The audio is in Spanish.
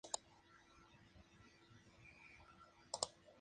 Estas casas ya no se consideran alta costura en sentido estricto.